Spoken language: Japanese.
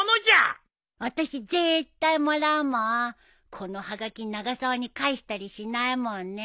このはがき永沢に返したりしないもんね。